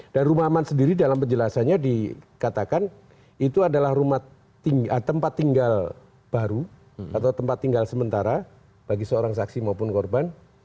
dan rumah aman sendiri dalam penjelasannya dikatakan itu adalah tempat tinggal baru atau tempat tinggal sementara bagi seorang saksi maupun korban